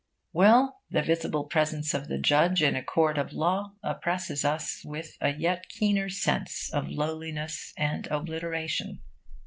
Well, the visible presence of the judge in a court of law oppresses us with a yet keener sense of lowliness and obliteration.